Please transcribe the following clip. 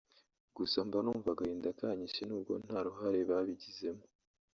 gusa mba numva agahinda kanyishe nubwo nta ruhare babigizemo